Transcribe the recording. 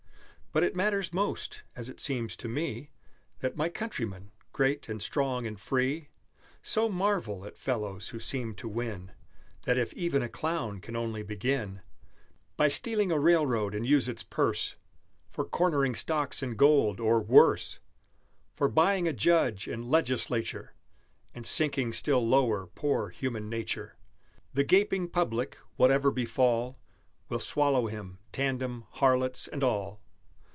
But it matters most, as it seems to me, That my countrymen, great and strong and free, So marvel at fellows who seem to win, That if even a Clown can only begin By stealing a railroad, and use its purse For cornering stocks and gold, or worse For buying a Judge and Legislature, And sinking still lower poor human nature, The gaping public, whatever befall, Will swallow him, tandem, harlots, and all!